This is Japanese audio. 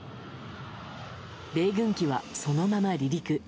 米軍機はそのまま離陸。